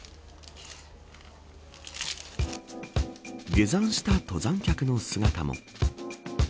下山した登山客の姿も。